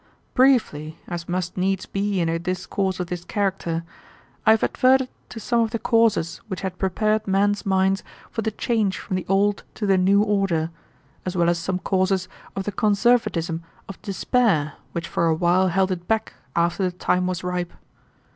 "Briefly, as must needs be in a discourse of this character, I have adverted to some of the causes which had prepared men's minds for the change from the old to the new order, as well as some causes of the conservatism of despair which for a while held it back after the time was ripe.